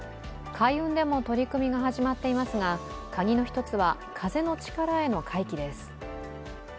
海運でも取り組みが始まっていますが鍵の１つは、風の力への回帰です。